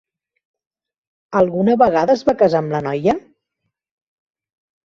Alguna vegada es va casar amb la noia?